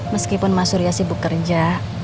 meskipun mas surya sibuk kerja